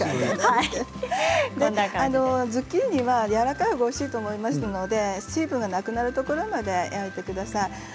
ズッキーニはやわらかいほうがおいしいと思いますので汁がなくなるところまで焼いてください。